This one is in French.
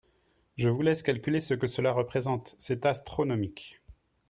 Je vous laisse calculer ce que cela représente, c’est astronomique